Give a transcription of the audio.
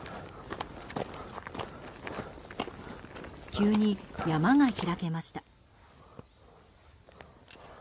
急に山が開けました。